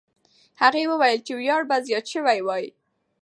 هغه وویل چې ویاړ به زیات سوی وای.